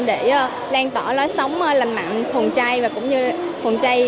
để lan tỏ lối sống lành mạnh thuần chay